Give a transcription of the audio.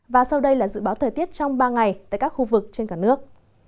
và sau đây là dự báo thời tiết trong ba ngày tại các khu vực trên cả nước